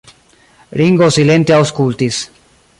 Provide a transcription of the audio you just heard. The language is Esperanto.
Ringo silente aŭskultis.